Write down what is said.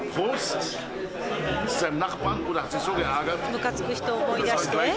むかつく人思い出して。